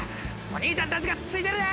お兄ちゃんたちがついてるで！